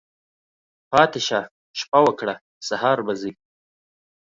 پاتی شه، شپه وکړه ، سهار به ځی.